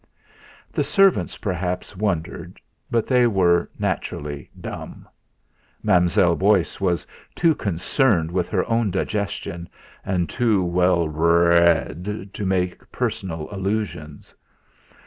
The servants perhaps wondered, but they were, naturally, dumb. Mam'zelle Beauce was too concerned with her own digestion, and too 'wellbrrred' to make personal allusions.